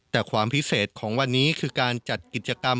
แต่ความพิเศษของวันนี้คือการจัดกิจกรรม